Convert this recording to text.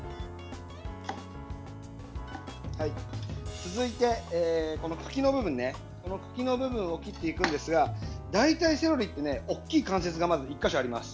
続いて、茎の部分を切っていくんですが大体、セロリって大きい関節が１か所あります。